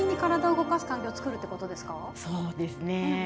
そうですね。